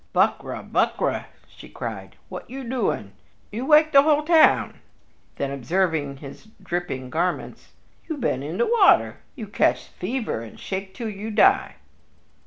"Buckra, Buckra!" she cried. "What you doing? You wake de whole town!" Then, observing his dripping garments: "You been in de water. You catch de fever and shake till you die."